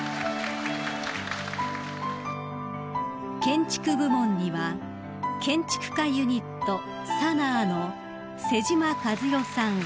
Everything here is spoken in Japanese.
［建築部門には建築家ユニットＳＡＮＡＡの妹島和世さん